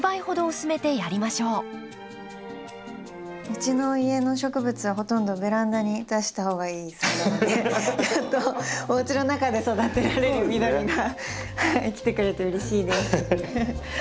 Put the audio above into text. うちの家の植物はほとんどベランダに出した方がいいそうなのでおうちの中で育てられる緑が来てくれてうれしいです。